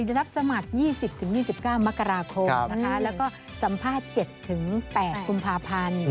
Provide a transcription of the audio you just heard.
จะรับสมัคร๒๐๒๙มกราคมนะคะแล้วก็สัมภาษณ์๗๘กุมภาพันธ์